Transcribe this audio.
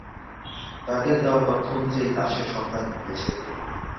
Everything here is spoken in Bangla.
তাঁদের দেওয়া তথ্য অনুযায়ী লাশের সন্ধান মিলেছে।